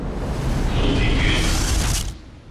腐皮卷